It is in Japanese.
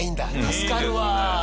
助かるわ。